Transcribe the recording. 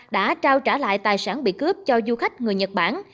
đã trao trả lại tài sản bị cướp cho du khách người nhật bản